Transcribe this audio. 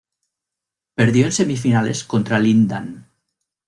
Perdió en semifinales contra Lin Dan.